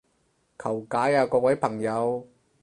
求解啊各位朋友